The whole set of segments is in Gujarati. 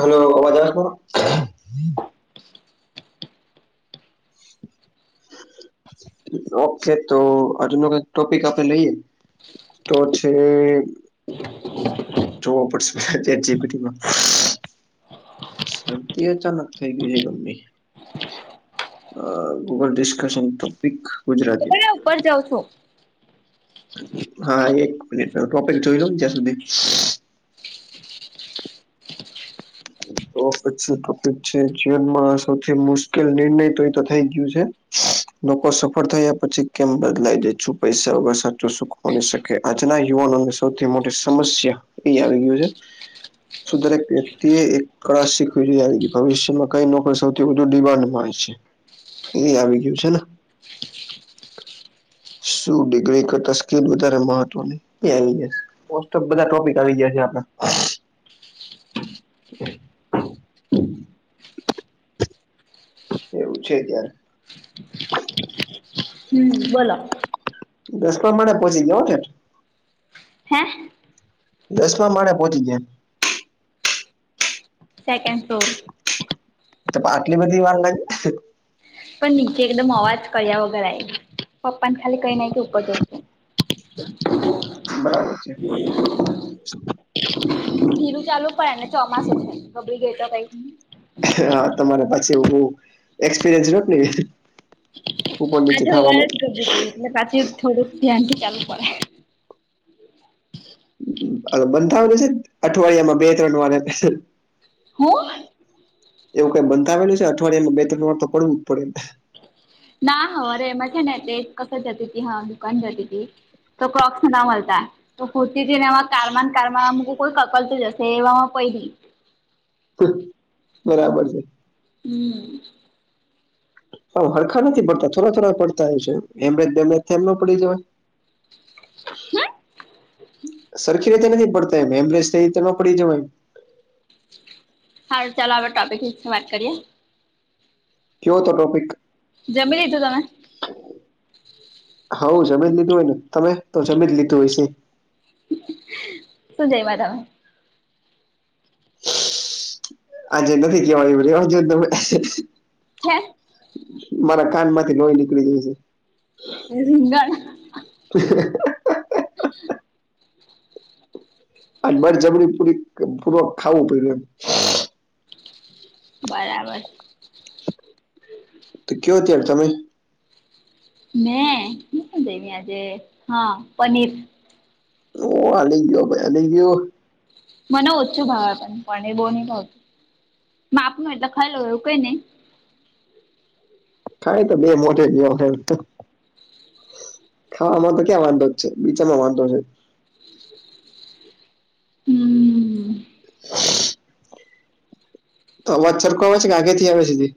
હલો આવાજ આવે છ મારો [inaudible] ઓખે તો આજનો કાંઈક ટોપિક આપે લઈએ તો છે [inaudible] જો પડશે ચેટ જીપીટીમાં શરદી અચાનક થઈ ગઈ એ ગામની અ અવર ડિસ્કશન ટોપિક ગુજરાતી જવ છું. હા એક મિનિટ અ ટોપિક જોઈ લવ જ્યાં સુધી તો પછી ટોપિક છે જીવનમાં સૌથી મુશ્કેલ નિરનય તો એ તો થઈ ગયું છે. લોકો સફળ થયા પછી કેમ બદલાય જાય છુ પૈસાવા સાચું સુખ મળી શકે આજના યુવાનોને સૌથી મોટી સમસ્યા ઈ આવી ગયું છે. શું દરેક વ્યક્તિએ એક કળા શીખવી જોઈ [unintelligible] ભવિષ્યમાં કઈ નોકરી સૌથી વધું [unintelligible] હોય છે. એય આવી ગયું છે ને શું ડિગ્રી કરતા સ્કિલ વધારે મહત્વની એ [unintelligible] મોસ્ટ ઑફ બધા ટોપિક આવી ગયા છે [unintelligible] એવું છે ત્યારે હમ્મ બોલો દસમાં માળે પોંચી ગયો હો થેટ હે દસમાં માળે પોંચી ગયા સેકેંડ ફ્લોર તપા આટલી બધી વાર [unintelligible] પણ નીચે એકદમ અવાજ કર્યા વગર આઈ પપ્પાન ખાલી કઈને આઈ કે ઉપર જવ છું. બરાબર છે. ધીરું ચાલવું પડેને ચોમાસું થઈ [unintelligible] તો કંઈ હા તમારે પછી હું એક્સપિરયન્સ [inaudible] આ જો [unintelligible] જ [unintelligible] એટલે પાછું થોડુંક ધ્યાનથી ચાલવું પડે આ તો બંધ થાવાનું છેન અઠવાડિયામાં બે ત્રન વારે હુ એવું કાંઈ બંધાવેલું છે કે અઠવાડિયામાં બે ત્રન વાર તો પડવું જ પડે ના હવારે એમાં છે ને તે કશે જતીતી હા દુકાન જતીતી તો ક્રોક્સ ના મલતા તો કુદતીતી ને એમાં કારમાંન કારમાં મુંકુ કોઈ કકલતું જ હશે એવામાં પયરી બરાબર છે. હમ્મ હાવ હરખા નથી પડતા થોડા થોડા પડતાય હશે હેમરેજ બેમરેજ થાય એમ નો પડી જવાય હ સરખી રીતે નથી પડતા હેમરેજ થઈ ઈ રીતે નોપડી જવાય હારૂ ચાલો અવે ટોપિક વિષે વાત કરીએ? કયો તો ટોપિક જમી લીધુ તમે? હૌ, જમી જ લીધું હોય ને! તમે તો જમી જ લીધું હશે. શું જઈમા તમે? આજે નથી કેવાય એવું રેવાદયો ને તમે. [unintelligible] મારા કાન માંથી લોહી નીકળી જાય છે. [unintelligible] [unintelligible] આજ બળ જબરી પુરીક પૂરવક ખાવું પડયુ એમ. બરાબર તો કેયો ત્યારે તમે મેં... હું જઈમી આજે! ! હા, પનીર. ઓહ [unintelligible] ગયો ભાઈ [unintelligible] ગયો. મને ઓછું ભાવે પણ પનીર બૌ નહિ ભાવતુ માપનું એટલે ખઈ લઉ એવું કઈ નહી! ખાય તો બે મોઢે [unintelligible] ગયો [unintelligible] ખાવામાં તો ક્યાં વાંધો જ છે! બીજામાં વાંધો છે. હમ્મ [unintelligible] તો અવાજ સરખો આવે છે કે આઘે થી આવે છે હજી?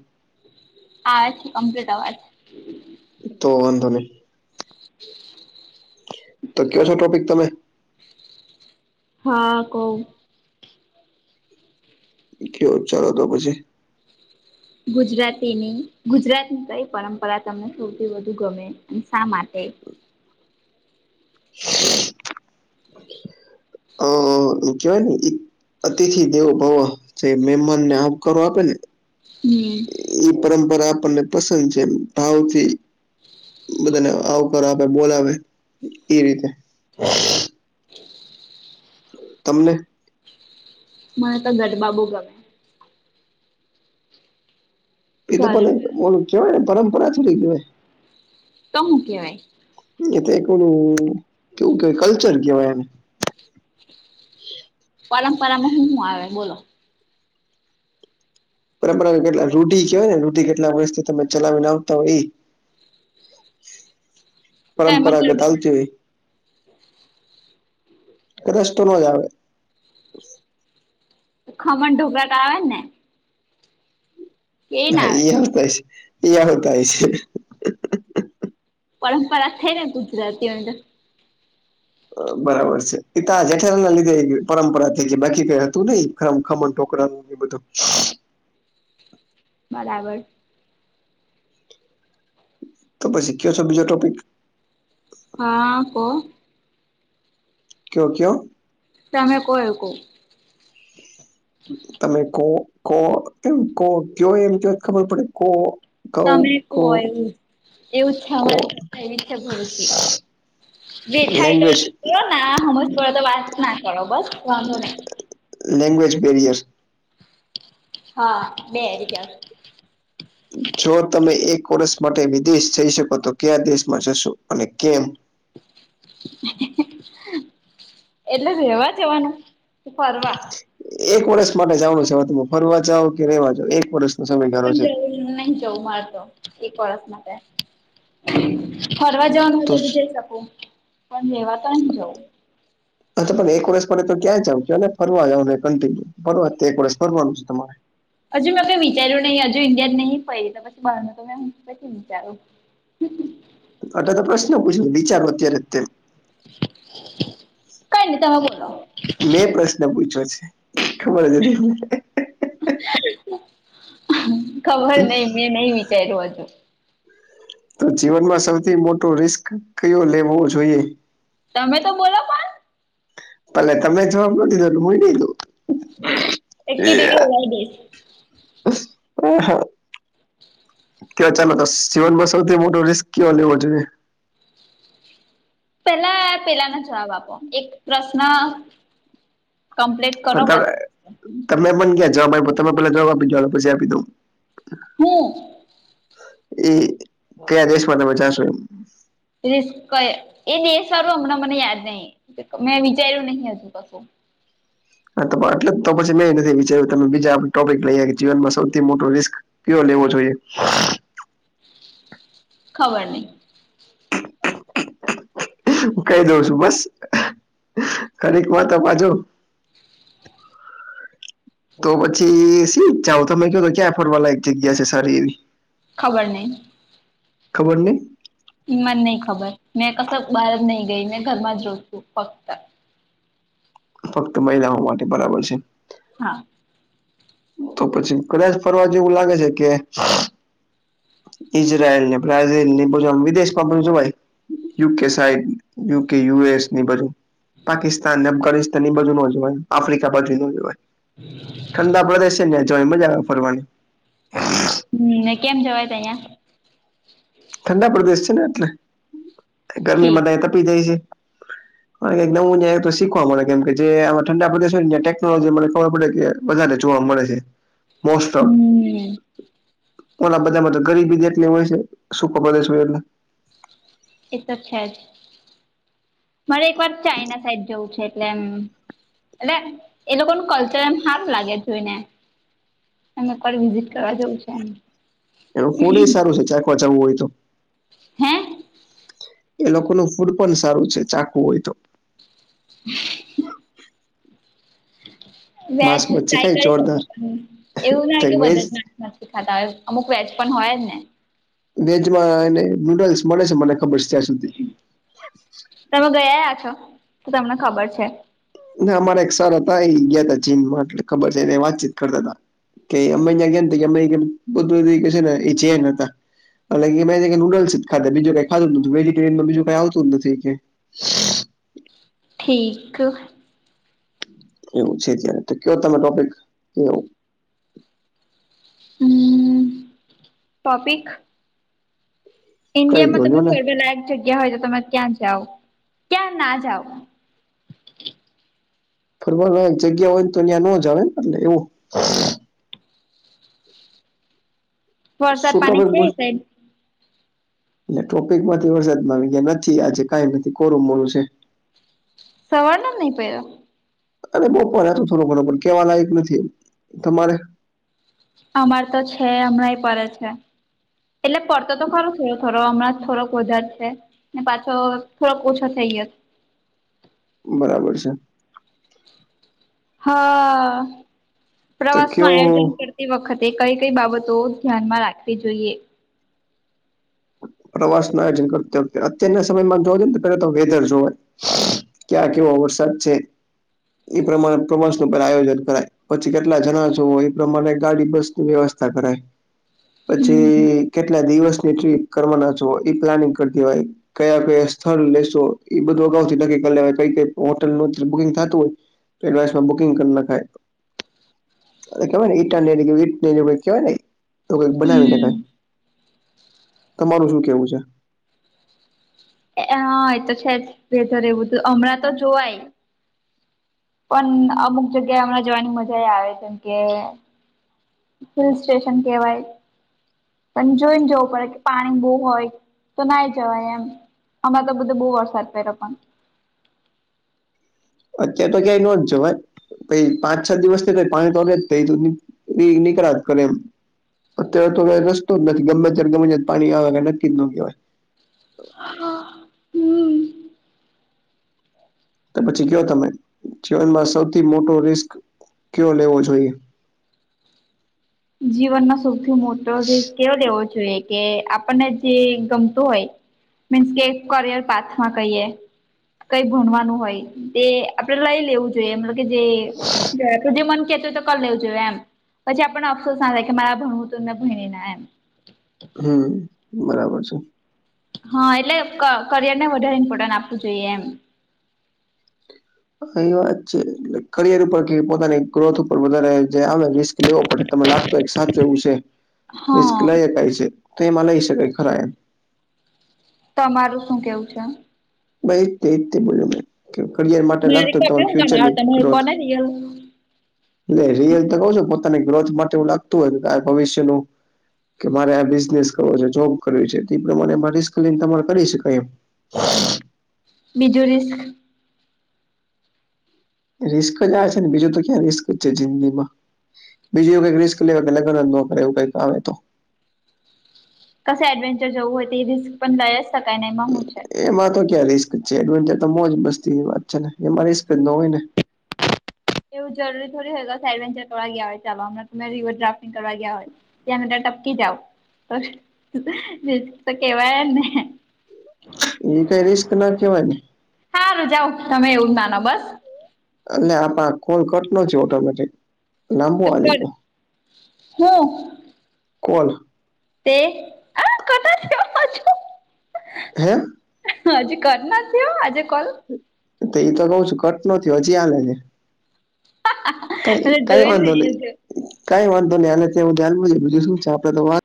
આવે છે કમપ્લીટ અવાજ. તો વાંધો નઈ. [unintelligible] તો કયોછો ટોપિક તમે? હા કવ. કયો ચાલો તો પછી. ગુજરાતીની, ગુજરાતની કઈ પરંપરા તમને સૌથી વધુ ગમે અને શા માટે? [inaudible] ને અતિથિ દેવો ભવ જે મેહમાનને આવકારો આપે ને હમ્મ ઈ પરંપરા આપણને પસંદ છે ભાવથી બધાને આવકાર આપે, બોલાવે ઈ રીતે. તમને? મને તો ગરબા બો ગમે. એ તો ગરબા પણ ઓલુ કેવાય ને પરંપરા થોડી કેવાય. તો હું કેવાય? એ તો [unintelligible] કેવું કેવાય... કલ્ચર કેવાય એને. પરંપરામાં હું-હું આવે બોલો? પરંપરા કેટલા રૂઢિ કેહેવાય ને રૂઢિ કેટલાક વર્ષથી તમે ચલાવીને આવતા હોય ઈ તો એમાં પરંપરાગત ગરબા આવતી હોય. [inaudible] રસ્તો નો જ આવે. ખમણ, ઢોકળા તો આવે જ ને? કે ના હા આવે ઇ [unintelligible] છે. પરંપરા થઈ ને ગુજરાતીઓનીં. [unintelligible] બરાબર છે એતો આ જેઠાલાલના લીધે આયી ગયુ પરંપરા થઈ છે બાકી કઈ હતું નઇ ખમણ ઢોકળાંન [inaudible] બરાબર. તો પછી [unintelligible] બીજો [unintelligible] હા આપો. કેવો ગયો તમે બોય બોય તમે કો કો એમ કો કયો એમ કય ખબર પડે તમે કો... [inaudible] એવું જ. એવું જ કો થવાનું એવી રીતે [unintelligible] જે થાય લેંગ્વેજ [unintelligible] લેંગ્વેજ કઈ હશે હા [unintelligible] [unintelligible] જો તમે એક વર્ષ માટે વિદેશ જઈ શકો તો ક્યા દેશમાં જશો અને કેમ? [inaudible] એટલે રેવા જવાનું, ફરવા? એક વર્ષ માટે જવાનું છે હવે તમે ફરવા જાવ, કે રેવા જાાવ, એક વર્ષ. પણ જ નહિ જવું મળત, એક વર્ષ માટે ફરવા જવાનું હોય તો બી જઈ શકું, પણ લેવા તો નહી જવું. અચછા પણ એક વર્ષ પે તો ક્યાં જાવજ અને ફરવા જાવ ને કન્ટિન્યુ ફરવા, એક વર્ષ ફરવાનું છે તમારે. હજુ મેં કઈ વિચાર્યું નહી હજુ ઈન્ડિયા જ નહી પડ તો પછી બાર તો મે પછી વિચાર્યું. [inaudible] [inaudible] અને તો પ્રશ્ન વિચારવા અત્યારે અત્યારે તેમ. કરી દઉં મૂકો [unintelligible] મેં પ્રશ્ન પૂછ્યો છે, ખબર [unintelligible] ખબર નઈ મેં નહી વિચાર્યું હજુ. તો જીવનમાં સૌથી મોટો રિસ્ક કયો લેવો જોઈએ. તમે તો બોલો પણ. ભલે તમે જવાબ ન દીધો હોય ને. એકી દીરી ઓડાઈ દેઈ ઓહા અહહ [unintelligible] ક્યાં ચાલો દસ તો જીવનમાં સૌથી મોટો રિસ્ક કયો લેવો જોઈએ? પેલા પેલાનો જવાબ આપો એક પ્રશ્ન કમ્પ્લીટ કરો બતાવે પછી તમે મન ક્યાં જવાબ આપ્યો તમે પેલા જવાબ આપી દો પછી આપી દઉં. હુ? એ કયા દેશમાં તમે જાશો એમ? [unintelligible] એ દેશ ક એ દેશ કયો હમણાં મને યાદ નહી મેં વિચાર્યું નહી હજુ કશું. [unintelligible] હા તો બ એટલે તો પછી મેં નથી વિચાર્યું તમે બીજા આપ ટોપિક લઈયે કે જીવનમાં સૌથી મોટું રિસ્ક કેવો લેવો જોઈએ? ખબર નહી. હું કહી દઉં છું બસ, ખરીક વાતોમા તો જો [inaudible] [unintelligible] તો પછી શીત જાવ તમે કયો તો ક્યાં ફરવાલાયક જગ્યા છે સારી એવી ખબર નહી. ખબર નહીં? એ મને નહી ખબર મેં ફક્ત બહાર જ નહી ગઈ મે ઘરમાં જ રવ છું ફક્ત ફક્ત મહિલાઓ માટે બરાબર છે. હા. તો પછી કદાચ ફરવા જેવું લાગે છે કે, ઈઝરાયલને, બ્રાઝીલને એ બાજુ વિદેશમાં [unintelligible] જવાય. U K side U K U એસની એ બાજુ, પાકિસ્તાન, અફઘાનિસ્તાન એ બાજુ નો જવાય આફ્રિકા બાજુય નો જવાય. ઠંડા પ્રદેશ છે ને એ જવાય મજા આવે ફરવાની. [unintelligible] કેમ જવાય તહિયાં? ઠંડા પ્રદેશ છે ને એટલે તે ઠીક ગરમીમાં ત આઇ તપી જાય છે. યે નવુ યે શીખવા મળે કેમ કે જે ઠંડા પ્રદેશ હોયને યે ટેકનોલોજી મને ખબર પડે કે, વધારે જોવા મળે છે. મોસ્ટ ઓફ હમ ઓલા બધામાં તો ગરીબી જ એટલી હોય છે સુકોપ્રદેશ હોય એટલે, એ તો છે જ મારે એક વાર ચાઈના સાઈડ જવું છે એટલે એમ. એટલે એ લોકોનું કલ્ચર એમ હારુ લાગે જોઈને, [unintelligible] વિઝિટ કરવા જવું છે [unintelligible] પચાવવું હોય તો હે? એ લોકોનું ફૂડ પણ સારું છે ચાખવું હોય તો. [inaudible] વેજ માંસ મચ્છી ટ્રાય ખાય કરી શકુ જોરદાર પણ એવું વેજ [unintelligible] [unintelligible] અમુક વેજ પણ હોય જ ને? વેજમાં અને નૂડલ્સ મળે છે મને ખબર છે ત્યાં સુધી. તમે ગયાયા છો તો તમને ખબર છે? ના અમારા એક સર હતા ઈ ગ્યાતા ચીનમાં એટલે ખબર છેને વાતચીત કરતા તા. કે અમે ઇયા ગ્યા તો કે કે અમે બધું ને એ છે જૈન હતા. અલા એ કે બધી નુડલ્સ જ ખાધ બીજુ કઈ ખાધું નથી વેજીટેરયનમાં બીજું કઈ આવતું નથી કે, [inaudible] ઠીક. એવું છે ત્યારે તો ક્યો તમે ટોપિક ક્યો? અહહ ટોપિક? કહી દો ઇન્ડિયામાં જો તમે ને ફર્વેલાયક જગ્યા હોય તો તમે ત્યાં જાઓ ક્યાં ના જાવ? ફરવા લાયક જગ્યા હોય ને તો યા ન જવાય [inaudible] એવું વરસાદ પાણી છે એ સાઈડ [unintelligible] એટલે ટોપિક માંથી વરસાદ માં ગયા નથી આજે કઈ નથી કોરું મોરૂ છે. સવારનો નઈ પયરો? અરે બપોર હતો થોડો ઘણો કેવા લાયક નથી તમારે? અમાર તો છે, હમણાંય પરે છે. એટલે પડતો તો ખરો છે થોરો થોરો હમણાં થોડોક વધાર છે. ને પાછો થોડોક ઓછો થઈ ગયો. બરાબર સે. હ તો પ્રવાસ નું કયો આયોજન કર તે વખતે કઈ કઈ બાબતો ધ્યાનમાં રાખવી જોઈએ. પ્રવાસ [inaudible] આયોજન [unintelligible] અત્યારના સમયમાં જો [unintelligible] પેલાતો વેધર જોવાય. ક્યાં કેવો વરસાદ છે? એ પ્રમાણે પ્રવાસનું પણ આયોજન કરાય. પછી કેટલા જણા જુવો એ પ્રમાણે ગાડી વસ્તુ વ્યવસ્થા કરાય. હમ પછી કેટલા દિવસની ટ્રીપ કરવાના છો એ પ્લાનિંગ કર દિવાય. કયા કયા સ્થળ લેશો એ બધું અગાઉ થી નક્કી કર લેવાય કઈ હોટલનું બુકિંગ થાતું હોય એડવાસમાં બુકિંગ કર નખાાય. કેવાય ને ઈટા ઈટ કેવાય ને તો એવું કંઈક બનાવી ન હમ થાય. તમારું શું કહંવું છે. હા એ તો છે જ વેધર એવું તો હમણાં તો જોવાય. પણ અમુક જગ્યા એ હમણાં જવાની મજા એ આવે જેમ કે હિલ સ્ટેશન કહેવાય પણ જોઈને જવું પડે કે પાણી બોવ હોય તો ના જવાય એમ. હમણાં તો બધો બહુ વરસાદ પડયો પણ અત્યાર તો ક્યાંય ન જ જવાય. પછી પાંચ છ દિવસ તોડ પાણી જ થ નીકળયા કરેલ અત્યારે તો કઈ રસ્તો જ નથી ગમે ત્યારે ગમે તે જગ્યાએ પાણી આવે કે નક્કી જ ન કહેવાય. હા. તો પછી કયો તમે જીવનમાં સૌથી મોટો રિસ્ક કયો લેવો જોઈએ? જીવનમાં સૌથી મોટો રીસ્ક કેવો લેવો જોઈએ? કે આપણને જે ગમતું હોય મીન્સ કે કરિયર પાથમાં કહીએ કઈ ભણવાનું હોય તે આપડે લઈ લેવું કે જે જે મન કેતો તો કર લેવું જોઈએ એમ પછી આપણને ગુસ્સો આવે કે મારે ભણવુ તું મે ભણી નઈ એમ. હમ્મ બરાબર છે. હા એટલે કરિયર ને વધારે ઇમ્પોર્ટન્સ આપવું જોઈએ એમ. એ ખરી વાત છે. કરિયર ઉપર કે પોતાની ગ્રોથ ઉપર વધારે જે મે રિસ્ક લેવો પડે તમે લાગતું એ સાચવવું છે. હા રિસ્ક લઈ એ શકાય છે તો એમાં લઈ શકાય ખરા એમ તમારું શું કહેવું છે. ભાઈ તે બોલ્યું હું કે કરિયર માટે મારે લાગતું કે કપ્યું ફ્યુચરની તમારું તમે ગ્રોથ કોને રિયલ એટલે રિયલ તો કઉું છ પોતાની ગ્રોથ માટેવું લાગતું હોય બ્રાઇટ ભવિષ્ય નું કે મારે આ બિઝનેસ કરવો છે જોબ કરવી છે તે પ્રમાણે રિસ્કન લયને તમારે કરી શકાય એમ હ [unintelligible] બીજું રિસ્ક રિસ્ક જ આ છે બીજું તો રિસ્ક જ છે જિગીમાં બીજી એવું કઈ રિસ્ક લેય કે લગ્ન નો કરે લેવાના કઈક આવે તો કશે એડવેન્ચર જવું હોય તો એ રિસ્ક પણ લઈ જ શકાય ન એમાં હું છે. એમાં તો ક્યાં રિસ્ક છે એડવેન્ચર તો મોજ મસ્તી એ વાત છે ને એમાં રિસ્ક જ ન હોય ને. એવું જરૂરી થોડી હોય એડવેન્ચર કરવા ગયા હોય ચાલો હમણા તમે રિવર ડ્રાફ્ટિંગ કરવા ગયા હોય ત્યાં તમે ટપકી જાાવ તો રિસ્ક તો કેવાયને એ કઈ રિસ્ક ના કહેવાય હારૂ જાવ તમે એવું જ માનો બસ. એટલે આમાં કોણ કટ ન થયો છે ઓટોમેટિક લાંબો આલી ગયો [unintelligible] હું? કોણ? તે [unintelligible] હે? હ હજી કરી ના થ આજે કોલ તો એતો કઉ છું કટ ન થયો હજી હાલે છે. હા. કઈ કઈ વાંધો નહી કઈ વાંધો નહી હ હું ધનવ બીજું શું છે આપડે તો વા